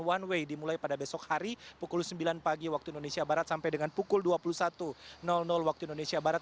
one way dimulai pada besok hari pukul sembilan pagi waktu indonesia barat sampai dengan pukul dua puluh satu waktu indonesia barat